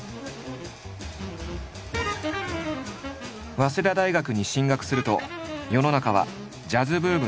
早稲田大学に進学すると世の中はジャズブームの真っ最中。